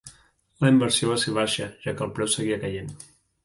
La inversió va ser baixa, ja que el preu seguia caient.